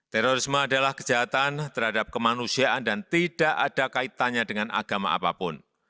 terorisme adalah kejahatan terhadap kemanusiaan dan tidak ada kaitannya dengan agama apapun